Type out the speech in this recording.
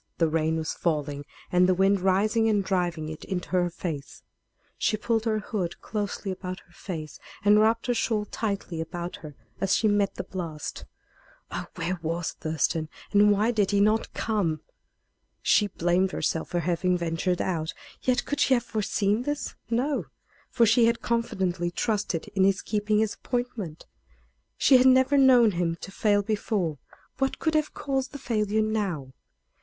The rain was falling and the wind rising and driving it into her face. She pulled her hood closely about her face, and wrapped her shawl tightly about her as she met the blast. Oh! where was Thurston, and why did he not come? She blamed herself for having ventured out; yet could she have foreseen this? No; for she had confidently trusted in his keeping his appointment. She had never known him to fail before. What could have caused the failure now?